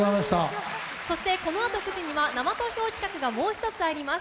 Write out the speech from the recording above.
そしてこのあと９時には生投票企画がもう１つあります。